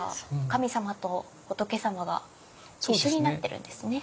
神様と仏様が一緒になってるんですね。